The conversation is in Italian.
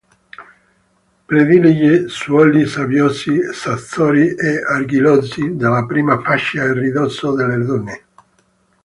Predilige suoli sabbiosi, sassosi e argillosi nella prima fascia a ridosso delle dune.